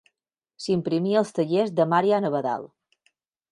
S’imprimia als tallers de Marian Abadal.